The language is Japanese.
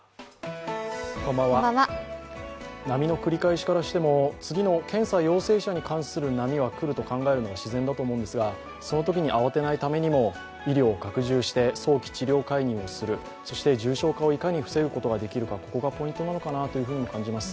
波の繰り返しからしても、次の検査陽性者に関する波は来ると考えるのが自然だと思うんですがそのときに慌てないためにも医療を拡充して早期治療介入する、そして重症化をいかに防ぐことができるか、ここがポイントなのかなと感じます。